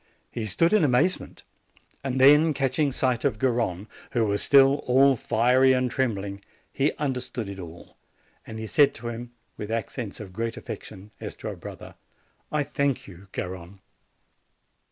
He stood in amazement; then, catching sight of Gar rone, who was still all fiery and trembling, he understood it all, and he said to him, with accents of great affection, as to a brother, "I thank you, Garrone."